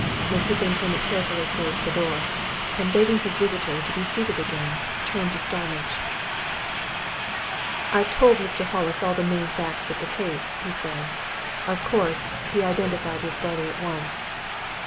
The superintendent carefully closed the door, and begging his visitor to be seated again, turned to Starmidge. "I've told Mr. Hollis all the main facts of the case," he said. "Of course, he identified his brother at once."